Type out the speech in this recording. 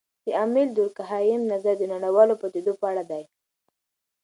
د امیل دورکهايم نظر د نړیوالو پدیدو په اړه دی.